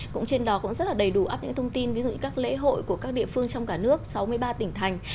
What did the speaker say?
cũng trên đó cũng rất là đầy đủ áp những thông tin ví dụ các lễ hội của các địa phương trong cả nước sáu mươi ba tỉnh thành